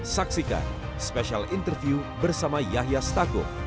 saksikan spesial interview bersama yahya stakuf